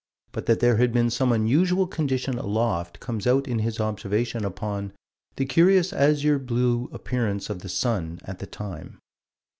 But that there had been some unusual condition aloft comes out in his observation upon "the curious azure blue appearance of the sun, at the time."